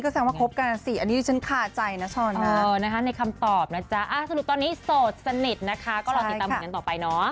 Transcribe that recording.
สักพักใหญ่เกือบจะเข้าครั้งปีแล้ว